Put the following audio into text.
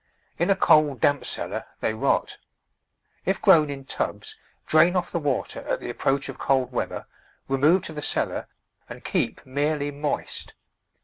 In a cold, damp cellar they rot. If grown in tubs drain off the water at the approach of cold weather, remove to the cellar and keep merely moist.